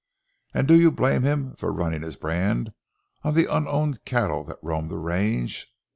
"And do you blame him for running his brand on the unowned cattle that roamed the range?